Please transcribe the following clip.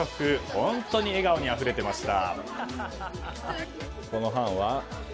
本当に笑顔にあふれていました。